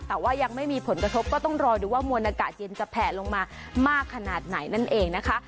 แต่ว่ายังไม่มีผลกระทบก็ต้องรอดูว่ามวลอากาศเย็นจะแผ่ลงมามากขนาดไหนนั่นเองนะคะ